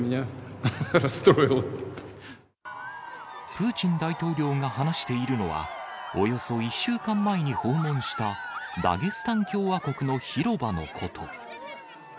プーチン大統領が話しているのは、およそ１週間前に訪問したダゲスタン共和国の広場のこと。